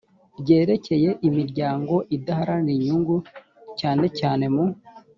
ryerekeye imiryango idaharanira inyungu cyane cyane mu